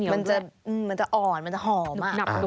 มันจะอ่อนมันจะหอม